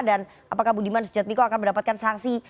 dan apakah budiman sujadmiko akan mendapatkan sanksi